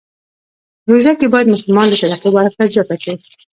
روژه کې باید مسلمان د صدقې ورکړه زیاته کړی.